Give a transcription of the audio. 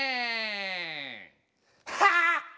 ハッ！